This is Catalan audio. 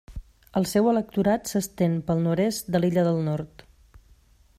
El seu electorat s'estén pel nord-est de l'illa del Nord.